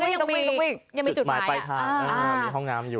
ยังมีจุดหมายอ่ะ